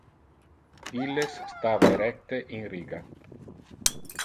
Illes stava erecte in riga.